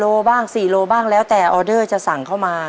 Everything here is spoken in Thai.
โลบ้าง๔โลบ้างแล้วแต่ออเดอร์จะสั่งเข้ามา